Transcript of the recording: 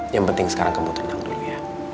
yang penting sekarang kamu terenang dulu ya